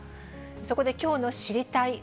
そこできょうの知りたいっ！